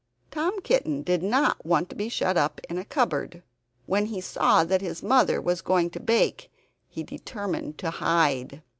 Tom Kitten did not want to be shut up in a cupboard. When he saw that his mother was going to bake, he determined to hide.